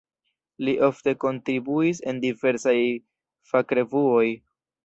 Li ofte kontribuis en diversaj fakrevuoj.